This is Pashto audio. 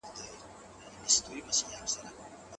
قران د هرې ستونزي حل دی.